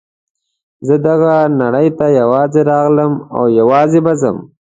زه دغه نړۍ ته یوازې راغلم او یوازې به ځم.